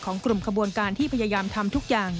กลุ่มขบวนการที่พยายามทำทุกอย่าง